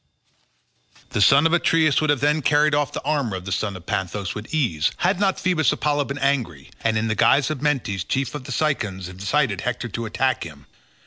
The son of Atreus would have then carried off the armour of the son of Panthous with ease, had not Phoebus Apollo been angry, and in the guise of Mentes chief of the Cicons incited Hector to attack him.